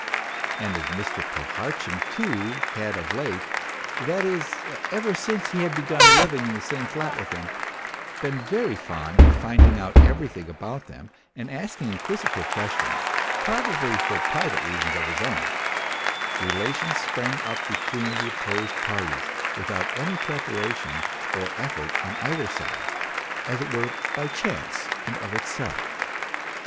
And as Mr. Prohartchin, too, had of late that is, ever since he had begun living in the same flat with them been very fond of finding out everything about them and asking inquisitive questions, probably for private reasons of his own, relations sprang up between the opposed parties without any preparation or effort on either side, as it were by chance and of itself.